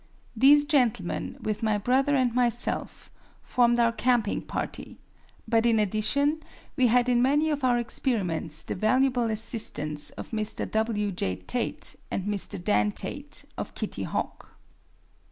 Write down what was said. These gentlemen, with my brother and myself, formed our camping party, but in addition we had in many of our experiments the valuable assistance of Mr. W. J. Tate and Mr. Dan Tate, of Kitty Hawk.